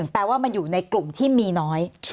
แปลว่ามันอยู่ในกลุ่มที่มีน้อย